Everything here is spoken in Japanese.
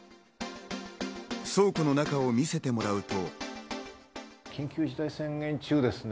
倉庫の中を見せてもらうと。